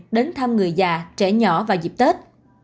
đến thăm người già trẻ nhỏ vào dịp tết